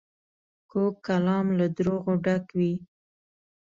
کوږ کلام له دروغو ډک وي